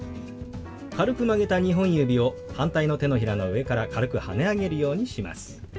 軽く曲げた２本指を反対の手のひらの上から軽くはね上げるようにします。